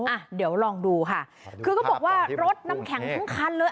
อ่ะเดี๋ยวลองดูค่ะคือเขาบอกว่ารถน้ำแข็งทั้งคันเลย